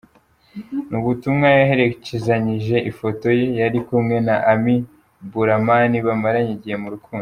Ni ubutumwa yaherekerezanyije ifoto ye ari kumwe na Amy Blauman bamaranye igihe mu rukundo.